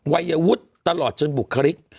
วัยวุฒิตลอดจนบุคลิก